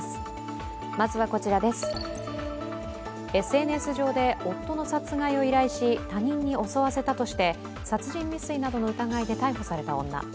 ＳＮＳ上で夫の殺害を依頼し他人に襲わせたとして殺人未遂などの疑いで逮捕された女。